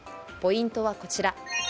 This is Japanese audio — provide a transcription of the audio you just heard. ポイントはこちら。